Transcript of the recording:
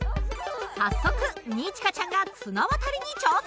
早速二千翔ちゃんが綱渡りに挑戦！